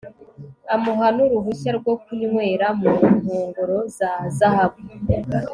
amuha n'uruhushya rwo kunywera mu nkongoro za zahabu